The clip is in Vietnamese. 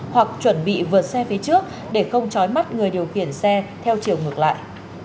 hoặc chuẩn bị vượt xe phía trước để không trói mắt người điều khiển xe theo chiều ngược lại